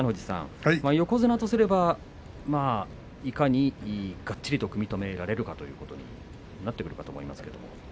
横綱とすればいかにがっちりと組み止められるかということになってくると思います。